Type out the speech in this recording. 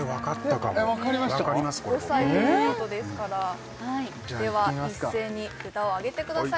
これ僕５歳ということですからでは一斉に札を上げてください